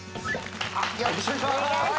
よろしくお願いします